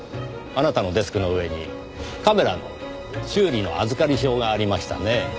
あなたのデスクの上にカメラの修理の預かり証がありましたねぇ。